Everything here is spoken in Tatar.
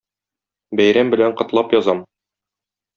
бәйрәм белән котлап язам.